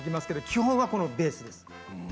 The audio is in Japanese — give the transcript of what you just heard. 基本的にはこのベースです。